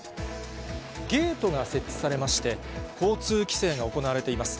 ゲートが設置されまして、交通規制が行われています。